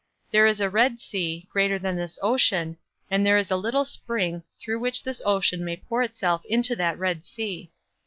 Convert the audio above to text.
There is a red sea, greater than this ocean, and there is a little spring, through which this ocean may pour itself into that red sea.